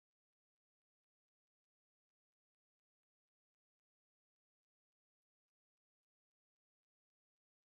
Resumo: la kancer-donitaĵoj forestas.